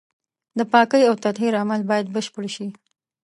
د پاکۍ او تطهير عمل بايد بشپړ شي.